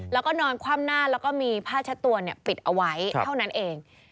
แล้วก็นอนคว่ำหน้าแล้วก็มีผ้าเช็ดตัวปิดเอาไว้เท่านั้นเอง